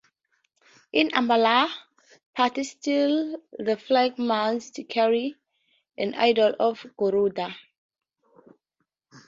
In Ambala Pathi still the flag mast carries an idol of Garuda.